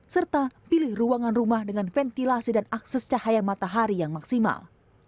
serta pilih ruangan rumah dengan ventilasi dan akses cahaya matahari yang maksimal